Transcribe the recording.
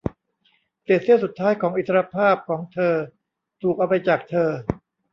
เศษเสี้ยวสุดท้ายของอิสรภาพของเธอถูกเอาไปจากเธอ